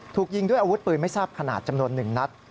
ถูกยิงด้วยอาวุธปืนไม่ทราบขนาดจำนวน๑นัด